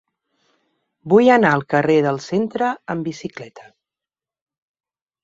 Vull anar al carrer del Centre amb bicicleta.